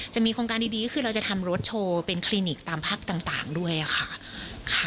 จะมีโครงการดีก็คือเราจะทำรถโชว์เป็นคลินิกตามพักต่างด้วยค่ะ